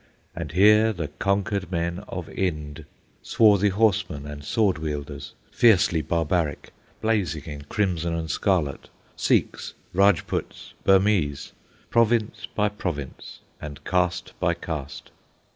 And here the conquered men of Ind, swarthy horsemen and sword wielders, fiercely barbaric, blazing in crimson and scarlet, Sikhs, Rajputs, Burmese, province by province, and caste by caste.